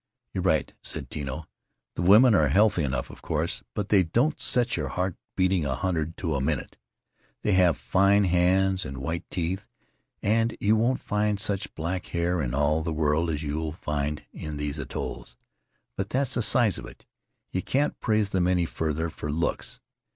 "You're right," said Tino. "The women are healthy enough, of course, but they don't set your heart beating a hundred to the minute. They have fine hands and white teeth, and you won't find such black hair in all the world as you find in these atolls. But that's the size of it. You can't praise them any further for looks.